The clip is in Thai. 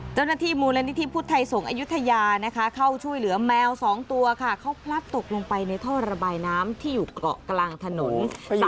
เจ้าหน้าที่มูลนิธิพุทธไทยสงฆ์อายุทยานะคะเข้าช่วยเหลือแมว๒ตัวค่ะเขาพลัดตกลงไปในท่อระบายน้ำที่อยู่เกาะกลางถนน